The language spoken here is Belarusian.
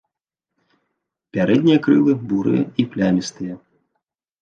Пярэднія крылы бурыя і плямістыя.